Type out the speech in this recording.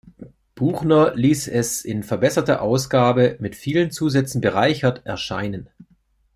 Buchner ließ es in verbesserter Ausgabe, mit vielen Zusätzen bereichert, erscheinen.